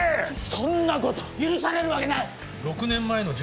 そんなこと許されるわけない。